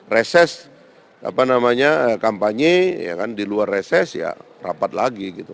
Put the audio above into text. reses apa namanya kampanye ya kan diluar reses ya rapat lagi gitu